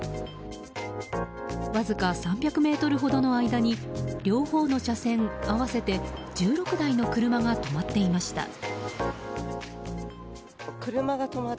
わずか３００ｍほどの間に両方の車線合わせて１６台の車が止まっていました。